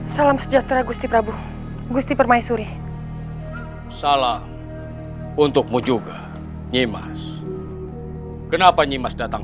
salam sejahtera gusti prabu gusti permaisuri salam untukmu juga nyimas kenapa nyimas datang